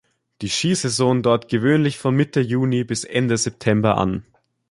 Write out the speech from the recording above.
Die Skisaison dauert gewöhnlich von Mitte Juni bis Ende September an.